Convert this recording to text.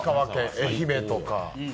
愛媛とか。